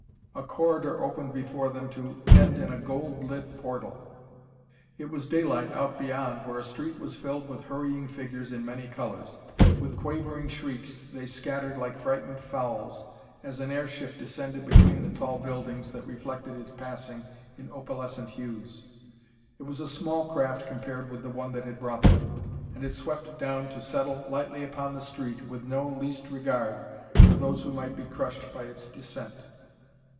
A corridor opened before them to end in a gold lit portal; it was daylight out beyond where a street was filled with hurrying figures in many colors. With quavering shrieks they scattered like frightened fowls as an airship descended between the tall buildings that reflected its passing in opalescent hues. It was a small craft compared with the one that had brought them, and it swept down to settle lightly upon the street with no least regard for those who might be crushed by its descent.